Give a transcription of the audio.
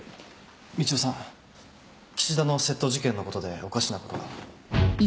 岸田の窃盗事件のことでおかしなことが。